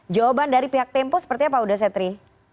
jawaban dari pihak tempo seperti apa uda setri